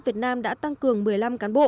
việt nam đã tăng cường một mươi năm cán bộ